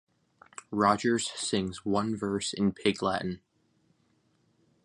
Rogers sings one verse in Pig Latin.